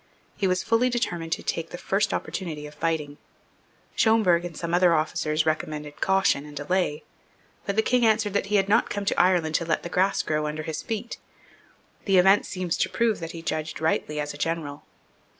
He was fully determined to take the first opportunity of fighting. Schomberg and some other officers recommended caution and delay. But the King answered that he had not come to Ireland to let the grass grow under his feet. The event seems to prove that he judged rightly as a general.